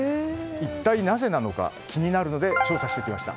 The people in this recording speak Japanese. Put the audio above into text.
一体なぜなのか気になるので調査してきました。